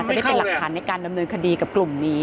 จะได้เป็นหลักฐานในการดำเนินคดีกับกลุ่มนี้